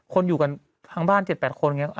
คนอยู่กันทั้งบ้าน๗๘คนอย่างนี้